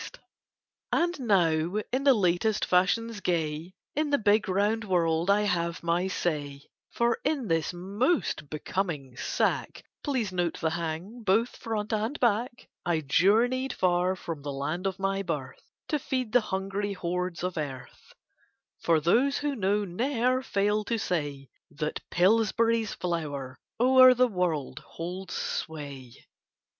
] And now in the latest fashions gay In the big round world I have my say, For in this most becoming sack, Please note the hang both front and back, I journey far from the land of my birth To feed the hungry hordes of Earth; For those who know ne'er fail to say That Pillsbury's flour o'er the world holds sway.